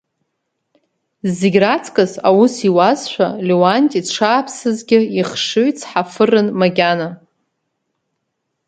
Зегь раҵкыс аус иуазшәа, Леуанти дшааԥсазгьы ихшыҩ цҳафырын макьана.